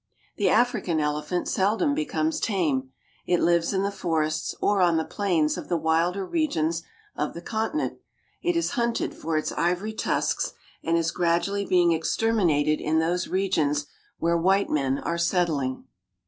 The African elephant seldom becomes tame. It lives in the forests or on the plains of the wilder regions of the continent. It is hunted for its ivory tusks, and is gradually being exterminated in those regions where white men are settling.